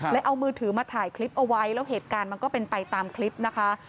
เอามือถือมาถ่ายคลิปเอาไว้แล้วเหตุการณ์มันก็เป็นไปตามคลิปนะคะ